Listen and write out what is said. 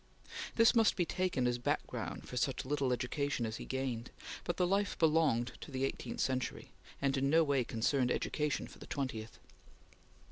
This must be taken as background for such little education as he gained; but the life belonged to the eighteenth century, and in no way concerned education for the twentieth.